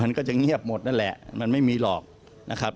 มันก็จะเงียบหมดนั่นแหละมันไม่มีหรอกนะครับ